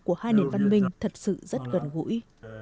của hai nền văn minh thật sự rất gần gũi